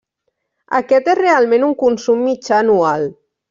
Aquest és realment un consum mitjà anual.